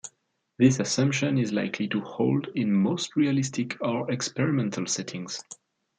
This assumption is likely to hold in most realistic or experimental settings.